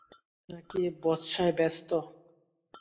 নাকি বচসায় ব্যস্ত?